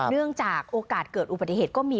เนื่องจากโอกาสเกิดอุบัติเหตุก็มี